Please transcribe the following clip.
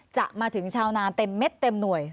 จะมาถึงชาวนานเต็มเม็ดเต็มหน่วย